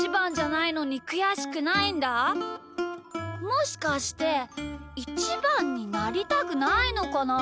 もしかしてイチバンになりたくないのかな？